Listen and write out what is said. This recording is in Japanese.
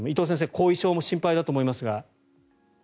後遺症も心配だと思いますが。